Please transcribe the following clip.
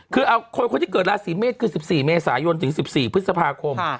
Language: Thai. คือเอาคนที่เกิดราศีเมษคือ๑๔เมษายนถึง๑๔พฤษภาคม